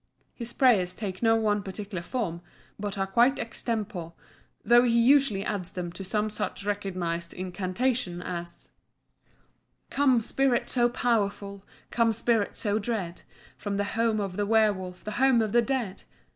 His prayers take no one particular form, but are quite extempore; though he usually adds to them some such recognised incantation as: "Come, spirit so powerful! come, spirit so dread, From the home of the werwolf, the home of the dead.